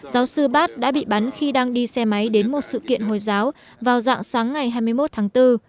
giáo sư bat đã bị bắn khi đang đi xe máy đến một sự kiện hồi giáo vào dạng sáng ngày hai mươi một tháng bốn